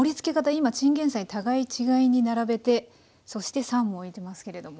今チンゲンサイ互い違いに並べてそしてサーモンおいてますけれども。